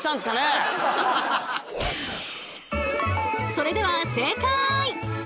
それでは正解！